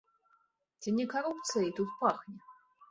Ці не карупцыяй тут пахне?